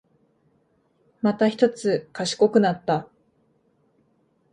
またひとつ賢くなった